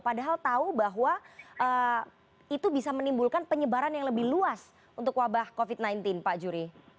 padahal tahu bahwa itu bisa menimbulkan penyebaran yang lebih luas untuk wabah covid sembilan belas pak juri